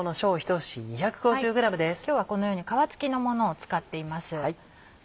今日はこのように皮付きのものを使っています。